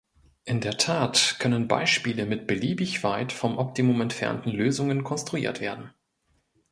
In der Tat können Beispiele mit beliebig weit vom Optimum entfernten Lösungen konstruiert werden.